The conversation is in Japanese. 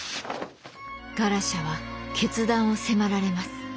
ガラシャは決断を迫られます。